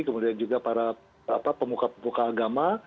kemudian juga para pemuka pemuka agama